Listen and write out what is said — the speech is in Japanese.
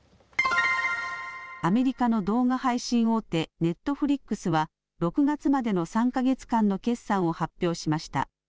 アメリカの動画配信大手、ネットフリックスは６月までの３か月間の決算を発表しました。